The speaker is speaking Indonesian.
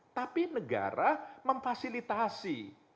tapi negara memfasilitasi